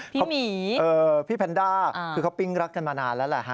เขามีพี่แพนด้าคือเขาปิ้งรักกันมานานแล้วแหละฮะ